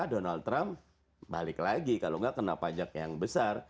donald trump balik lagi kalau nggak kena pajak yang besar